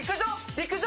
陸上？